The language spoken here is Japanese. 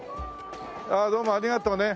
あっどうもありがとね。